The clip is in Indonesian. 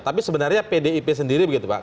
tapi sebenarnya pdip sendiri begitu pak